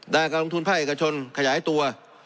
การลงทุนภาคเอกชนขยายตัว